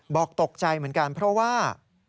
บอกตกใจเหมือนกันเพราะว่า